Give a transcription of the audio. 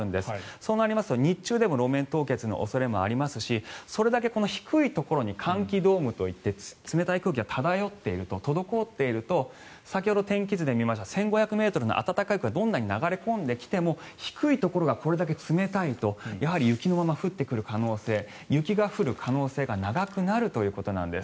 そうなりますと日中でも路面凍結の恐れもありますしそれだけ低いところに寒気ドームといって冷たい空気が滞っていると先ほど天気図で見ました１５００ｍの暖かい空気がどんなに流れ込んできても低いところがこれだけ冷たいと雪のまま降ってくる可能性雪が降る可能性が長くなるということなんです。